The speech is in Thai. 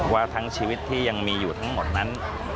ว่าทั้งชีวิตที่ยังมีอยู่ทั้งหมดนั้น